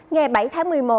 ngày bảy tháng một mươi một